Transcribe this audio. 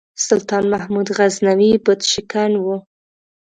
سلطان محمود غزنوي بُت شکن و.